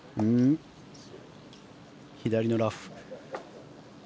左のラフ。